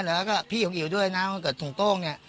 หรือว่าก็พี่ของอิ๋วด้วยนะวันเกิดส่งโต้ง